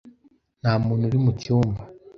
Nta muntu uri mu cyumba.